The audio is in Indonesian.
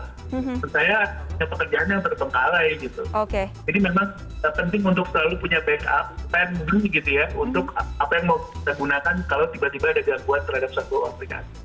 spend dulu gitu ya untuk apa yang mau kita gunakan kalau tiba tiba ada gangguan terhadap satu aplikasi